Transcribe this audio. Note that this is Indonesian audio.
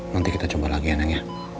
nanti kita coba lagi ya neneng ya